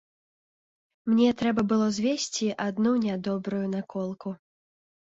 Мне трэба было звесці адну нядобрую наколку.